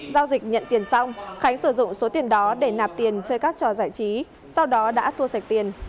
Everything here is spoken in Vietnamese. giao dịch nhận tiền xong khánh sử dụng số tiền đó để nạp tiền chơi các trò giải trí sau đó đã thua sạch tiền